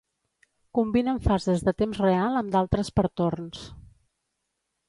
Combinen fases de temps real amb d'altres per torns.